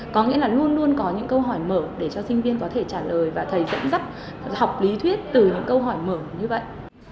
có nghĩa là luôn luôn có những câu hỏi mở để cho sinh viên có thể trả lời và thầy dẫn dắt học lý thuyết từ những câu hỏi mở như vậy